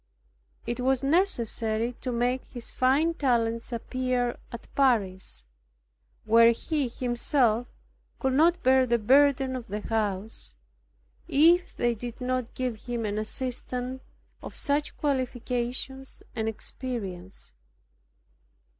It was necessary to make his fine talents appear at Paris, where he himself could not bear the burden of the house, if they did not give him an assistant of such qualifications and experience.